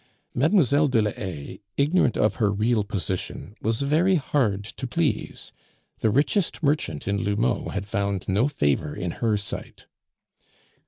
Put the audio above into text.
Mlle. de la Haye, ignorant of her real position, was very hard to please; the richest merchant in L'Houmeau had found no favor in her sight.